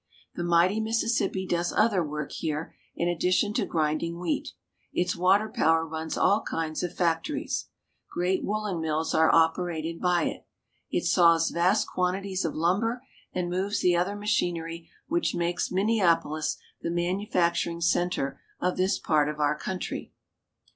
The mighty Mississippi does other work here in addition to grinding wheat. Its water power runs all kinds of fac tories. Great woolen mills are operated by it. It saws vast quantities of lumber, and moves the other machinery which makes Minneapolis the manufacturing center of this part of our country.